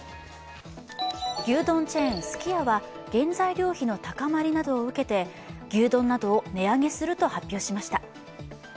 牛丼チェーン・すき家は原材料費の高まりなどを受けて牛丼などを値上げすると発表しました。